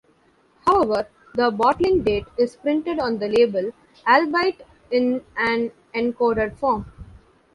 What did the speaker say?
However, the bottling date is printed on the label, albeit in an encoded form.